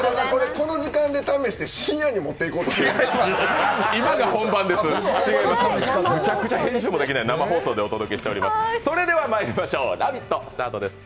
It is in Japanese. この時間で試して深夜に持っていこうとしているんですか？